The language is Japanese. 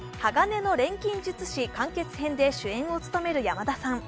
「鋼の錬金術師完結編」で主演を務める山田さん。